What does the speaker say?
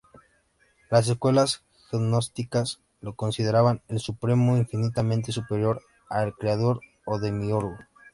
Las escuelas Gnósticas lo consideraban el Supremo, infinitamente superior a ""El Creador"" o Demiurgo.